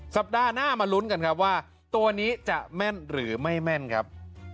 สัปดาห์หน้ามาลุ้นกันครับว่าตัวนี้จะแม่นหรือไม่แม่นครับ